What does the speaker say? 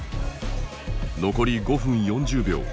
残り５分４０秒。